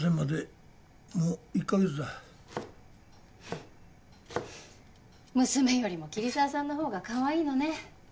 フッ娘よりも桐沢さんのほうがかわいいのね。